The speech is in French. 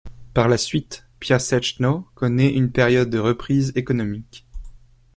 Par la suite, Piaseczno connait une période de reprise économique.